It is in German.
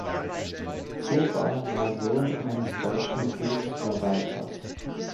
Zuber war Sohn eines deutschen Gutsverwalters.